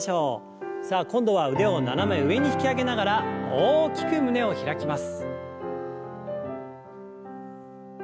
さあ今度は腕を斜め上に引き上げながら大きく胸を開きます。